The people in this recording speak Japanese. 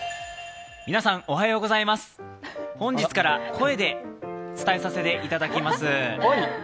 皆さん、おはようございます本日から声で伝えさせていただきます。